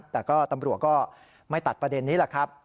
แต่ก็ตำรวจก็ไม่ตัดประเด็นนี้แหละครับ